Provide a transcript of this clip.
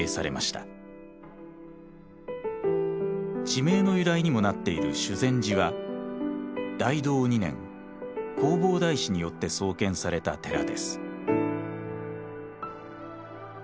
地名の由来にもなっている修禅寺は大同２年弘法大師によって創建された寺です。